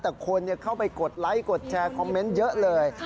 แต่คนเข้าไปกดไลค์กดแชร์คอมเมนต์เยอะเลย